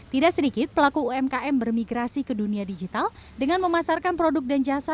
tidak sedikit pelaku umkm bermigrasi ke dunia digital dengan memasarkan produk dan jasa